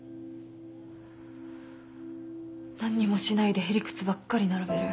何にもしないでへりくつばっかり並べる。